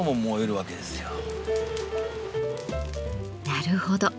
なるほど。